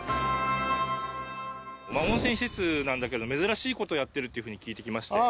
温泉施設なんだけど珍しい事をやってるっていうふうに聞いてきまして。